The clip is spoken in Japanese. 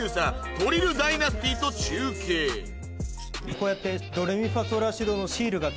こうやって。